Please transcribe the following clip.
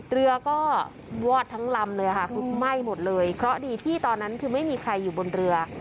เรือก็วอดทั้งลำเลยค่ะคือไหม้หมดเลยเพราะดีที่ตอนนั้นคือไม่มีใครอยู่บนเรือ